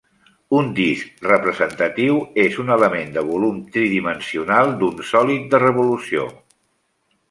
Un disc representatiu és un element de volum tridimensional d'un sòlid de revolució.